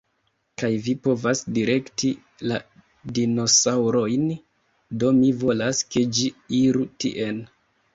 Kaj vi povas direkti la dinosaŭrojn, do mi volas, ke ĝi iru tien.